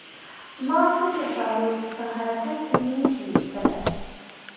ما فکر کاوه چې په حرکت کې مې نشي ویشتلی